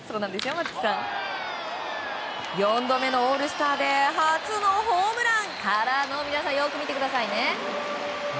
４度目のオールスターで初のホームランからの皆さん、よく見てくださいね。